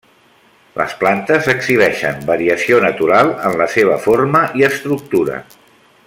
Les plantes exhibeixen variació natural en la seva forma i estructura.